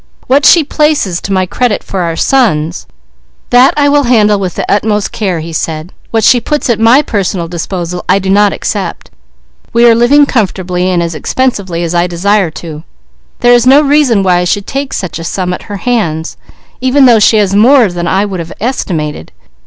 "What she places to my credit for our sons, that I will handle with the utmost care," he said. "What she puts at my personal disposal I do not accept. We are living comfortably, and as expensively as I desire to. There is no reason why I should take such a sum at her hands, even though she has more than I would have estimated.